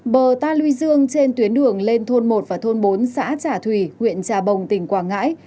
bờ ta luy dương trên tuyến đường lên thôn một và thôn bốn xã trà thủy huyện trà bồng tỉnh quảng ngãi